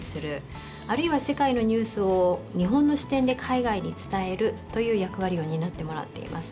あるいは世界のニュースを日本の視点で海外に伝えるという役割を担ってもらっています。